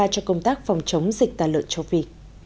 cho công tác phòng chống dịch tả lợn châu phi